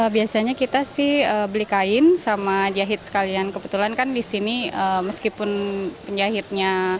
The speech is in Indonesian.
biasanya kita sih beli kain sama jahit sekalian kebetulan kan di sini meskipun penjahitnya